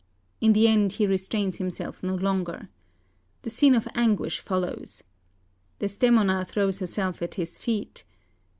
In the end he restrains himself no longer. The scene of anguish follows. Desdemona throws herself at his feet: "DES.